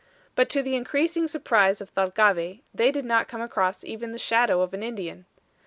But to the increasing surprise of Thalcave, they did not come across even the shadow of an Indian.